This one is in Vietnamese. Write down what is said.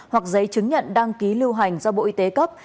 hoặc giấy chứng nhận đăng ký lưu hành do bộ y tế cấp